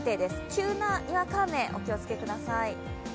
急なにわか雨、お気をつけください。